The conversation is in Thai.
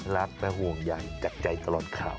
รักและห่วงใหญ่จากใจตลอดข่าว